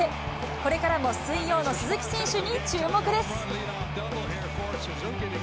これからも水曜の鈴木選手に注目です。